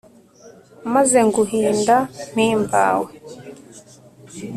maze nguhimba mpimbawe